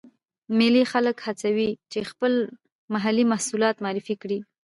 مېلې خلک هڅوي، چې خپل محلې محصولات معرفي کړي.